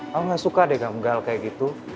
kamu gak suka deh kamu galak kayak gitu